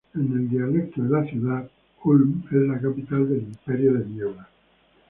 En el dialecto de la ciudad, Ulm es la "capital del imperio de niebla".